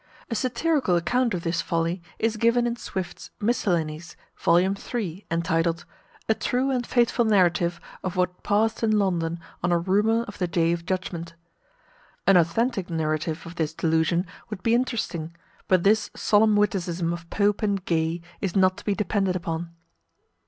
A satirical account of this folly is given in Swift's Miscellanies, vol. iii., entitled A true and faithful Narrative of what passed in London on a Rumour of the Day of Judgment. An authentic narrative of this delusion would be interesting; but this solemn witticism of Pope and Gay is not to be depended upon.